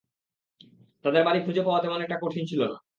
তাদের বাড়ি খুঁজে পাওয়া তেমন একটা কঠিন ছিল না।